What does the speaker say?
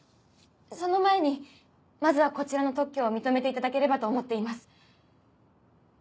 その前にまずはこちらの特許を認めていただければと思っています。